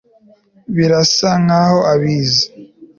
Birasa nkaho abizi